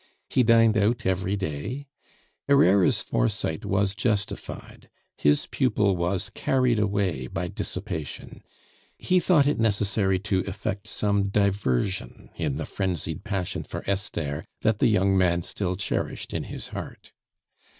He dined out every day. Herrera's foresight was justified; his pupil was carried away by dissipation; he thought it necessary to effect some diversion in the frenzied passion for Esther that the young man still cherished in his heart.